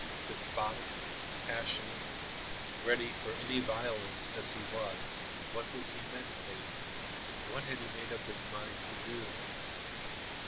Despotic, passionate, ready for any violence as he was, what was he meditating, what had he made up his mind to do?